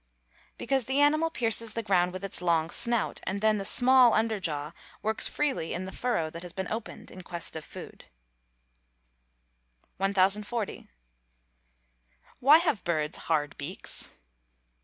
_ Because the animal pierces the ground with its long snout, and then the small under jaw works freely in the furrow that has been opened, in quest of food. 1040. _Why have birds hard beaks?